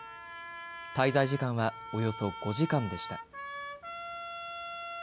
滞在時間はおよそ５時間でした。